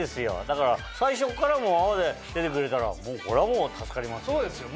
だから最初っから泡で出てくれたらこれはもう助かりますよ。